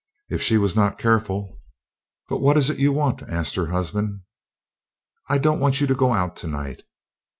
If she was not careful "But what is it you want?" asked her husband. "I don't want you to go out tonight."